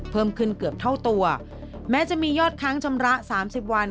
เพิ่มขึ้นเกือบเท่าตัวแม้จะมียอดค้างชำระสามสิบวัน